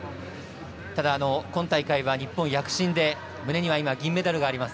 ただ、今大会は日本躍進で胸には銀メダルがあります。